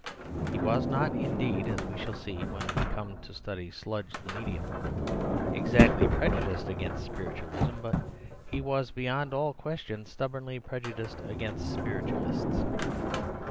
He was not indeed, as we shall see when we come to study "Sludge the Medium," exactly prejudiced against spiritualism. But he was beyond all question stubbornly prejudiced against spiritualists.